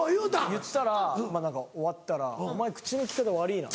言ったら終わったら「お前口の利き方悪ぃな」。